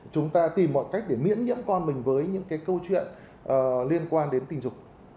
chúng ta tìm mọi cách để miễn nhiễm con mình với những cái câu chuyện liên quan đến tình dục